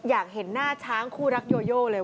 อยากเห็นหน้าช้างคู่รักโยโยเลย